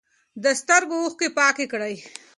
د سترګو اوښکې پاکې کړئ.